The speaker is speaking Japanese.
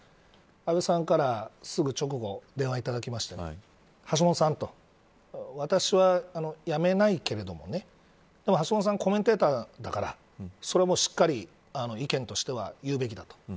安倍さんからすぐ直後、電話をいただきまして橋下さんと私は辞めないけれどもでも橋下さんコメンテーターだからそれもしっかり意見としては言うべきだと。